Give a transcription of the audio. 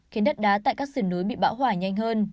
khiến đất đá tại các sườn núi bị bão hỏa nhanh hơn